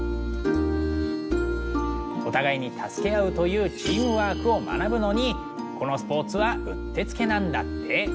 お互いに助け合うというチームワークを学ぶのにこのスポーツはうってつけなんだって。